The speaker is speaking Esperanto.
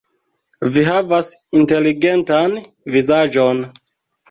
Vi havas inteligentan vizaĝon.